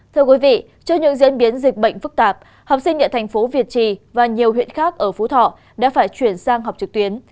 trước những diễn biến dịch bệnh phức tạp học sinh địa thành phố việt trì và nhiều huyện khác ở phú thọ đã phải chuyển sang học trực tuyến